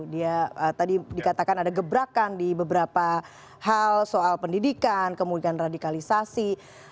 dia tadi dikatakan ada gebrakan di beberapa hal soal pendidikan kemudian radikalisasi